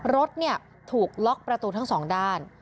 รถถูกล็อกประตูทั้งสองด้าน